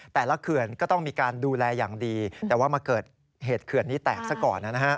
เขื่อนก็ต้องมีการดูแลอย่างดีแต่ว่ามาเกิดเหตุเขื่อนนี้แตกซะก่อนนะฮะ